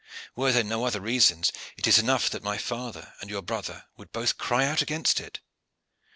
Were there no other reasons, it is enough that my father and your brother would both cry out against it."